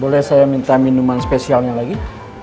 boleh saya minta minuman spesialnya lagi